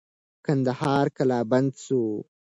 کندهار قلابند سو.